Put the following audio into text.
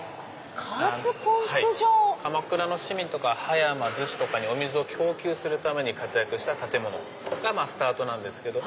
鎌倉の市民とか葉山子とかにお水を供給するために活躍した建物がスタートなんですけども。